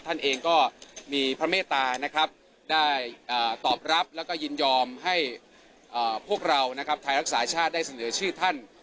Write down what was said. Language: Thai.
ท่านเองก็มีพระเมตตานะครับได้ตอบรับแล้วก็ยินยอมให้พวกเรานะครับไทยรักษาชาติได้เสนอชื่อท่าน